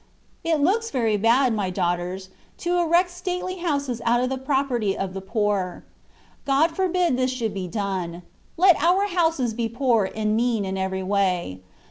It looks very bad, my daughters, to erect stately houses out of the property of the poor. God for bid this should be done ; let our houses be poor and mean in every way.